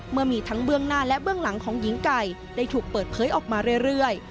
เมื่อมีทั้งเบื้องหน้าและเบื้องหลังของหญิงไก่ได้ถูกเปิดเผยออกมาเรื่อย